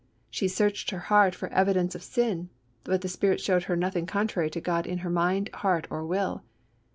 She searched her heart for evidence of sin, but the Spirit showed her nothing contrary to God in her mind, heart, or will.